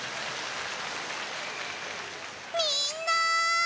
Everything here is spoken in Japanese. みんな。